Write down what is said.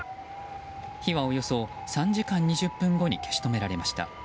火はおよそ３時間２０分後に消し止められました。